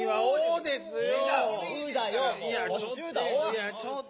いやちょっ。